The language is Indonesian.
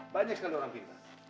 banyak sekali orang pintar